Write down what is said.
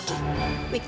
dan dia tuh